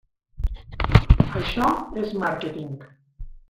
Això és màrqueting.